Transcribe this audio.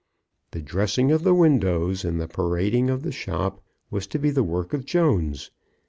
The dressing of the windows, and the parading of the shop, was to be the work of Jones.